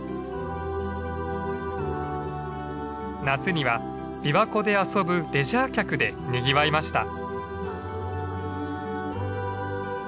夏には琵琶湖で遊ぶレジャー客でにぎわいました。